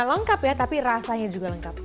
lengkap ya tapi rasanya juga lengkap